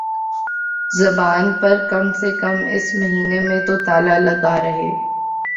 زبان پر کم سے کم اس مہینے میں تو تالا لگا رہے